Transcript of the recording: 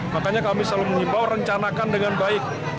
makanya kami selalu mengimbau rencanakan dengan baik